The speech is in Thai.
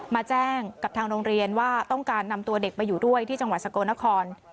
มาแจ้งกับทางโรงเรียนว่าต้องการนำตัวเด็กไปอยู่ด้วยที่จังหวัดสกลนคร